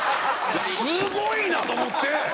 すごいなと思って！